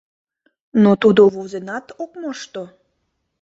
Но тудо возенат ок мошто.